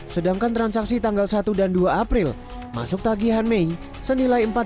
sedangkan transaksi tanggal satu dan dua april masuk tagian mei senilai empat delapan ratus rupiah